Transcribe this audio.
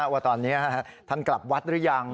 ว่าตอนนี้ท่านกลับวัดหรือยัง